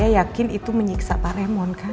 dan saya yakin itu menyiksa pak raymond kan